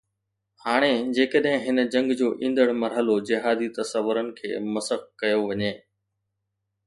هاڻي جيڪڏهن هن جنگ جو ايندڙ مرحلو جهادي تصورن کي مسخ ڪيو وڃي